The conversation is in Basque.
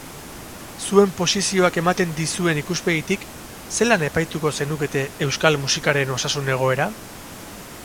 Zuen posizioak ematen dizuen ikuspegitik, zelan epaituko zenukete euskal musikaren osasun egoera?